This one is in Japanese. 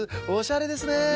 おしゃれですね。